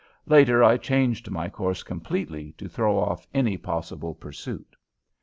Later I changed my course completely to throw off any possible pursuit.